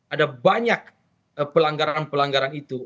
ada banyak pelanggaran pelanggaran itu